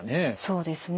そうですね。